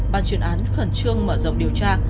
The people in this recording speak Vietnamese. ban chuyên án khẩn trương mở rộng điều tra